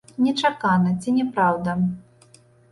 Нечакана, ці не праўда?